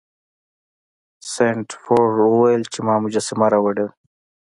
سنډفورډ وویل چې ما مجسمه راوړې ده.